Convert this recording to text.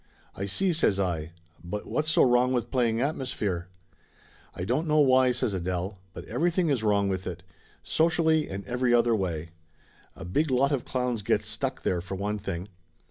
"I see!" says I. "But what's so wrong with play ing atmosphere ?" "I don't know why," says Adele. "But everything is wrong with it. Socially and every other way. A big lot of clowns gets stuck there, for one thing."